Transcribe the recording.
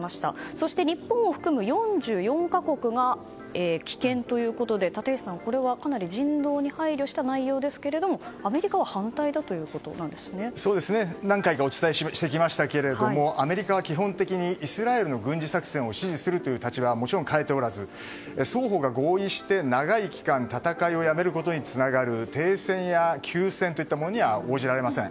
そして、日本を含む４４か国が棄権ということで立石さん、これはかなり人道に配慮した内容ですがアメリカは何回かお伝えしましたがアメリカは基本的にイスラエルの軍事作戦を支持する立場は変えておらず双方が合意して長い期間戦いをやめることにつながる停戦や休戦には応じられません。